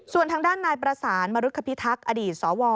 ส่วนทางด้านนายประสานมรุษภิทักษ์อดีตสว